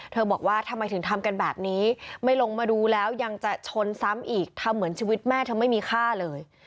บอกว่าทำไมถึงทำกันแบบนี้ไม่ลงมาดูแล้วยังจะชนซ้ำอีกทำเหมือนชีวิตแม่เธอไม่มีค่าเลย